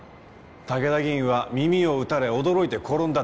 武田議員は耳を撃たれ驚いて転んだだけ。